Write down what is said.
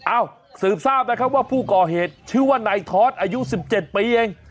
อ้าวสืบทราบนะครับว่าผู้ก่อเหตุชื่อว่าไหนทอดอายุสิบเจ็ดปีเอง